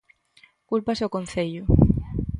Cúlpase ao concello.